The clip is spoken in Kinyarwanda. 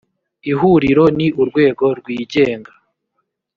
ihuriro ni urwego rwigenga